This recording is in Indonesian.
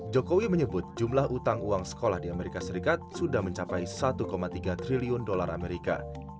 jokowi menyebut jumlah utang uang sekolah di amerika serikat sudah mencapai satu tiga triliun dolar amerika